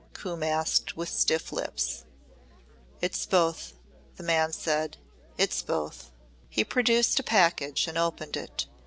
Coombe asked with stiff lips. "It's both," the man said, " it's both." He produced a package and opened it.